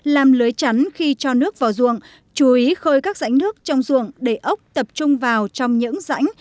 làm lưới chắn khi cho nước vào ruộng chú ý khơi các rãnh nước trong ruộng để ốc tập trung vào trong những rãnh